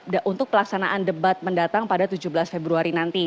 untuk pelaksanaan debat mendatang pada tujuh belas februari nanti